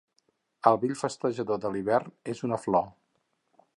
El vell festejador de l'hivern és una flor.